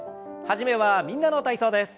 始めは「みんなの体操」です。